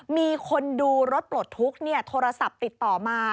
มีคนดูรถปลดทุกข์โทรศัพท์ติดต่อมา